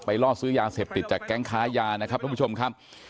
ล่อซื้อยาเสพติดจากแก๊งค้ายานะครับทุกผู้ชมครับ